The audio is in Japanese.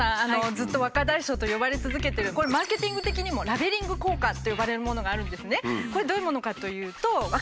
ずっと「若大将」と呼ばれ続けてるこれマーケティング的にも「ラベリング効果」と呼ばれるものがあるんですね。